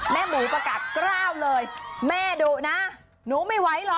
หมูประกาศกล้าวเลยแม่ดุนะหนูไม่ไหวหรอก